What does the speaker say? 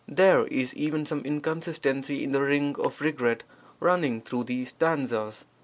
There is even some inconsistency in the ring of regret running through these stanzas.